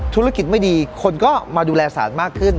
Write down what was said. ธุรกิจไม่ดีคนก็มาดูแลสารมากขึ้น